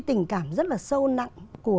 tình cảm rất là sâu nặng